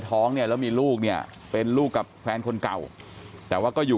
ท้องเนี่ยแล้วมีลูกเนี่ยเป็นลูกกับแฟนคนเก่าแต่ว่าก็อยู่